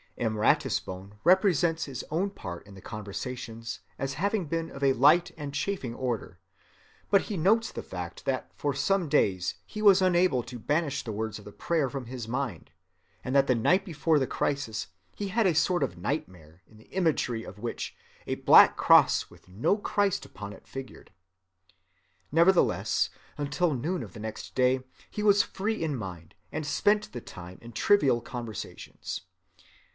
M. Ratisbonne represents his own part in the conversations as having been of a light and chaffing order; but he notes the fact that for some days he was unable to banish the words of the prayer from his mind, and that the night before the crisis he had a sort of nightmare, in the imagery of which a black cross with no Christ upon it figured. Nevertheless, until noon of the next day he was free in mind and spent the time in trivial conversations.